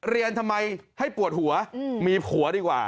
เรียนทำไมให้ปวดหัวมีผัวดีกว่า